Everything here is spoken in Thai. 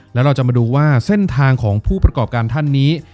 แล้วเราจะมาดูว่าเส้นทางของผู้ประกอบการท่านนี้